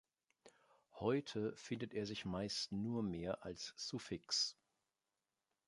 Heute findet er sich meist nur mehr als Suffix.